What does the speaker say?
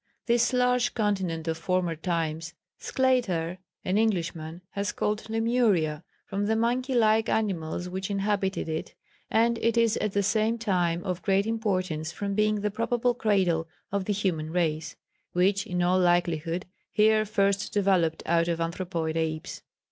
This large continent of former times Sclater, an Englishman, has called Lemuria, from the monkey like animals which inhabited it, and it is at the same time of great importance from being the probable cradle of the human race, which in all likelihood here first developed out of anthropoid apes.